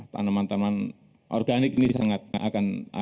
tanaman tanaman organik ini sangat akan